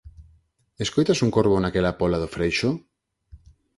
Escoitas un corvo naquela póla do freixo?